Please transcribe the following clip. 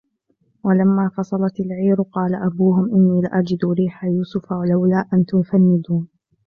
وَلَمَّا فَصَلَتِ الْعِيرُ قَالَ أَبُوهُمْ إِنِّي لَأَجِدُ رِيحَ يُوسُفَ لَوْلَا أَنْ تُفَنِّدُونِ